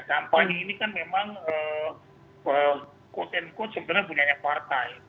kampanye ini kan memang quote unquote sebenarnya punya partai